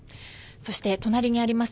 そして隣にあります